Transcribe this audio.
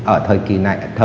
ở thời kỳ này